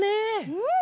うん。